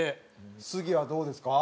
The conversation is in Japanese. スギ。はどうですか？